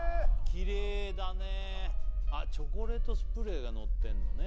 きれいだねチョコレートスプレーがのってんのね